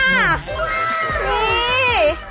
นี่